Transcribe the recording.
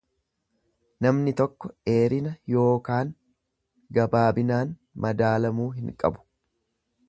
Namni tokko dheerina yookaan gabaabinaan madaalamuu hin qabu.